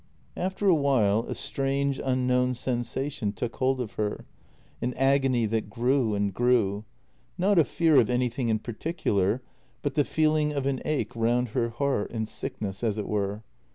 After a while a strange, unknown sensation took hold of her, an agony that grew and grew — not a fear of anything in particular, but the feeling of an ache round her heart and sick ness, as it were.